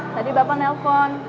tadi bapak nelpon